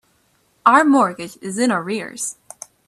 Our mortgage is in arrears.